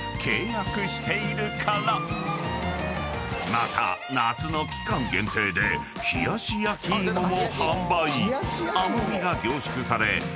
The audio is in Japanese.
［また夏の期間限定で冷やし焼き芋も販売］